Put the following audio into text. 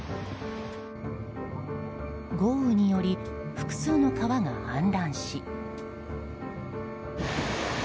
豪雨により複数の川が氾濫し。